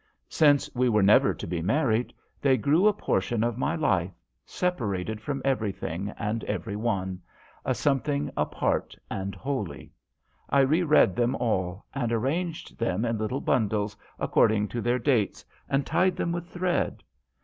Since we were never to be married they grew a portion of my life, separated from every thing and every one a some thing apart and holy. I re read them all, and arranged them in little bundles according to their dates, and tied them with thread.